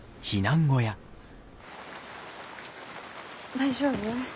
大丈夫？